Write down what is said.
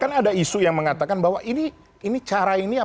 kan ada isu yang mengatakan bahwa ini cara ini yang